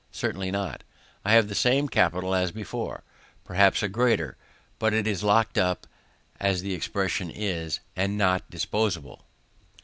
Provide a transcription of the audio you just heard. Certainly not: I have the same capital as before, perhaps a greater, but it is locked up, as the expression is, and not disposable.